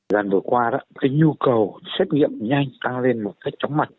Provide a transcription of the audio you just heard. lần vừa qua cái nhu cầu xét nghiệm nhanh ta lên một cách chống mặt